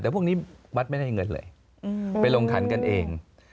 แต่พวกนี้วัดไม่ได้เงินเลยไปลงขันกันเอง